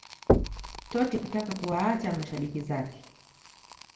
Totti hakutaka kuwaacha mashabiki zake